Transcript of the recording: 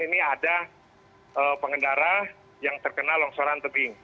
ini ada pengendara yang terkena longsoran tebing